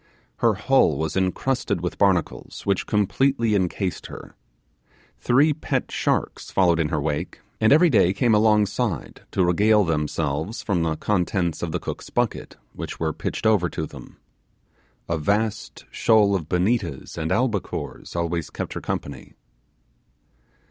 Her hull was encrusted with barnacles, which completely encased her. Three pet sharks followed in her wake, and every day came alongside to regale themselves from the contents of the cook's bucket, which were pitched over to them. A vast shoal of bonetas and albicores always kept her company.